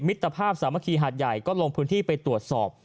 ตรภาพสามัคคีหาดใหญ่ก็ลงพื้นที่ไปตรวจสอบ